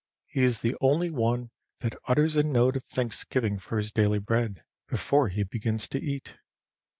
He is the only one that utters a note of thanksgiving for his daily bread before he begins to eat.